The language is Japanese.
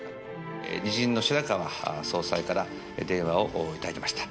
日銀の白川総裁から電話をいただきました。